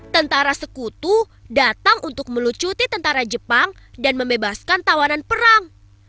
tentara sekutu datang untuk melucuti tentara jepang dan membebaskan tawanan perang